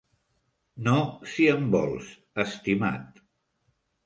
No si em vols, estimat.